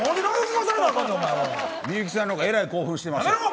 ミユキさんの方が偉い興奮してました。